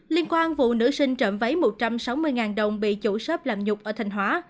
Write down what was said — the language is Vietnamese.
liên quan vụ nữ sinh trộm váy một trăm sáu mươi đồng bị chủ shp làm nhục ở thanh hóa